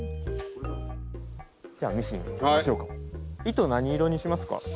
糸何色にしますか？